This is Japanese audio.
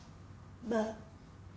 まあ。